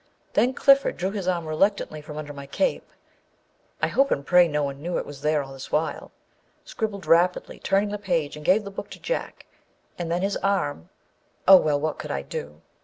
Then Clifford drew his arm reluctantly from under my cape, â I hope and pray no one knew it was there all this while, â scribbled rap idly, turned the page, and gave the book to Jack, and then his arm â oh, well, what could I do